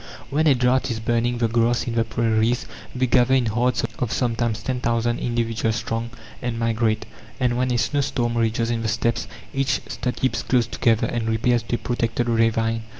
When a drought is burning the grass in the prairies, they gather in herds of sometimes 10,000 individuals strong, and migrate. And when a snow storm rages in the Steppes, each stud keeps close together, and repairs to a protected ravine.